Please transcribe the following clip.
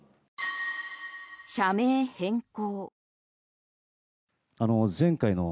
社名変更。